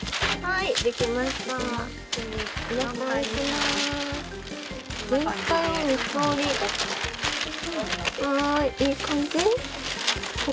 いい感じ？